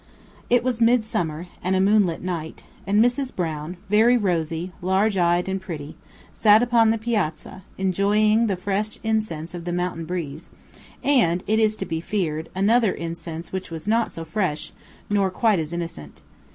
It was midsummer, and a moonlit night; and Mrs. Brown, very rosy, large eyed, and pretty, sat upon the piazza, enjoying the fresh incense of the mountain breeze, and, it is to be feared, another incense which was not so fresh, nor quite as innocent.